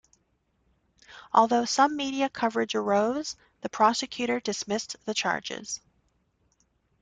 Although some media coverage arose, the prosecutor dismissed the charges.